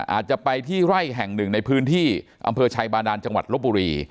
อาจจะไปที่ไร่แห่งหนึ่งในพื้นที่อำเภอชัยบาดานจังหวัดลบบุรี